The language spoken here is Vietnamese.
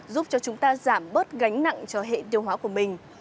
giúp cho chúng ta giảm bớt gánh nặng cho hệ tiêu hóa của mình